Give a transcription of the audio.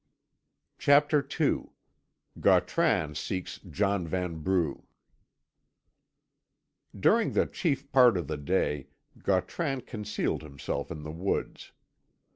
CHAPTER II GAUTRAN SEEKS JOHN VANBRUGH During the chief part of the day Gautran concealed himself in the woods.